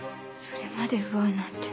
それまで奪うなんて。